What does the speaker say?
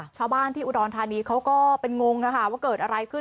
ชาวบ้านที่อุดรธานีเขาก็เป็นงงว่าเกิดอะไรขึ้น